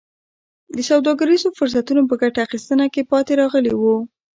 د سوداګریزو فرصتونو په ګټه اخیستنه کې پاتې راغلي وو.